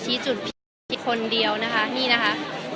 ชี้จุดคนเดียวนะคะนี่นะคะ